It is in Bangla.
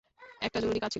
একটা জরুরি কাজ ছিল।